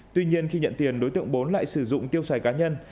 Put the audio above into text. tuy nhiên khi nhận tiền đối tượng bốn lại sử dụng tiêu xài cá nhân